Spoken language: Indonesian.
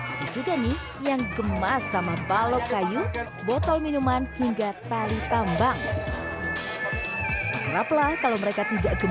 ada juga nih yang gemas sama balok kayu botol minuman hingga tali tambang